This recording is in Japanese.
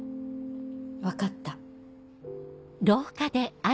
分かった。